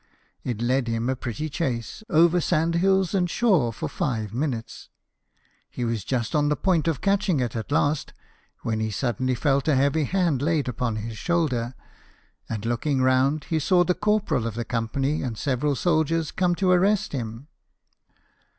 It led him a pretty chase, over sandhills and shore, for five minutes. He was just on the point of catching it at last, when he suddenly felt a heavy hand laid upon his shoulder, and looking round, he saw the corporal of the company and several soldiers come to arrest him.